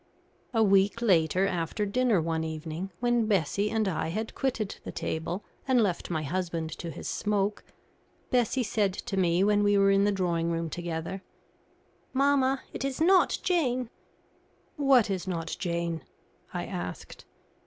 A week later, after dinner one evening, when Bessie and I had quitted the table and left my husband to his smoke, Bessie said to me, when we were in the drawing room together: "Mamma, it is not Jane." "What is not Jane?" I asked.